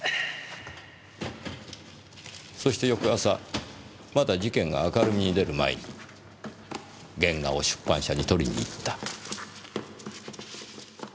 そして翌朝まだ事件が明るみに出る前に原画を出版社に取りに行った。